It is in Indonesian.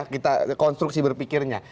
kita konstruksi berpikirnya